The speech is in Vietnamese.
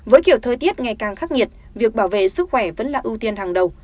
với kiểu thời tiết ngày càng khắc nghiệt việc bảo vệ sức khỏe vẫn là ưu tiên hàng đầu